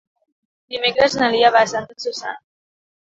Dimecres na Lia va a Santa Susanna.